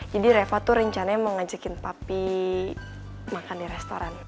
jadi reva tuh rencananya mau ngajakin papi makan di restoran